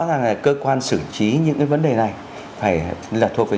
rằng là cơ quan xử trí những cái vấn đề này phải là thuộc về